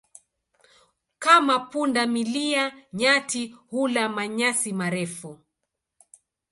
Kama punda milia, nyati hula manyasi marefu.